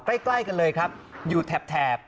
ใกล้กันเลยครับอยู่แถบ